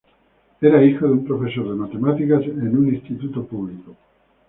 Era hijo de un profesor de matemáticas en un instituto público.